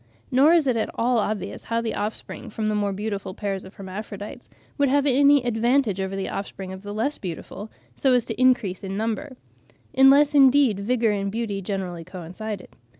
Nor is it at all obvious how the offspring from the more beautiful pairs of hermaphrodites would have any advantage over the offspring of the less beautiful, so as to increase in number, unless indeed vigour and beauty generally coincided.